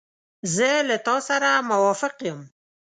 زه له تا سره موافق یم.